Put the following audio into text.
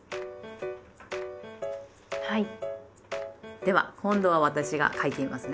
では今度は私が書いてみますね。